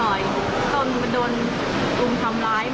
เห็นใครบอกว่าต้นโดนทำร้ายเหรอ